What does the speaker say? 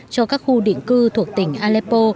cho các khu định cư thuộc tỉnh aleppo